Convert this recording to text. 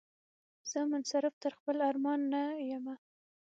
زه منصرف تر خپل ارمان نه یمه